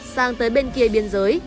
sang tới bên kia biên giới